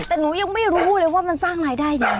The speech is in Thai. แต่หนูยังไม่รู้เลยว่ามันสร้างรายได้ยังไง